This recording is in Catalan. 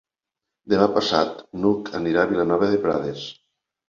Demà passat n'Hug anirà a Vilanova de Prades.